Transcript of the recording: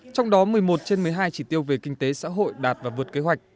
trong đó một mươi một trên một mươi hai chỉ tiêu về kinh tế xã hội đạt và vượt kế hoạch